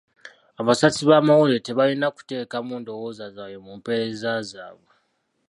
Abasasi b'amawulire tebalina kuteekamu ndowooza zaabwe mu mpeereza zaabwe.